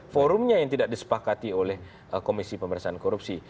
forumnya yang tidak disepakati oleh komisi pemerintahan korupsi